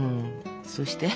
そうして。